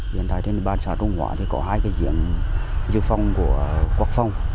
hiện tại trên địa bàn xã trung hóa thì có hai cái diễn dư phong của quốc phòng